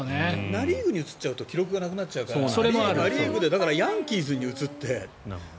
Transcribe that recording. ナ・リーグに移っちゃうと記録がなくなっちゃうからだからヤンキースに移って。